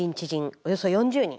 およそ４０人。